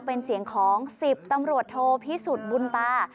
เป็นเสียงของ๑๐ตำรวจโทพิสุทธิ์บุญตา